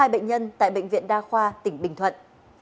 hai bệnh nhân tại bệnh viện đa khoa tỉnh bình thuận